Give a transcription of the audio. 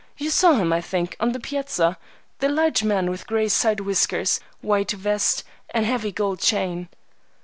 You saw him, I think, on the piazza,—the large man, with gray side whiskers, white vest, and heavy gold chain."